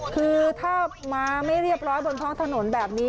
คือถ้ามาไม่เรียบร้อยบนท้องถนนแบบนี้